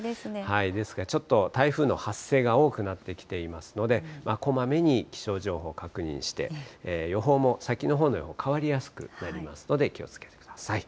ですからちょっと台風の発生が多くなってきていますので、こまめに気象情報確認して、予報も先のほうの予報、変わりやすくなりますので気をつけてください。